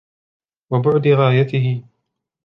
وَبُعْدِ غَايَتِهِ